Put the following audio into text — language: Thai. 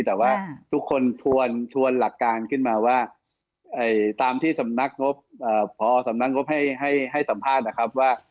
แต่ว่าทุกคนชวนหลักการขึ้นมาว่าตามที่สำนักงบพอสำนักงบให้สัมภาษณ์นะครับว่า